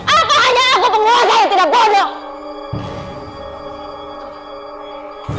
apa hanya aku penguasa yang tidak bodoh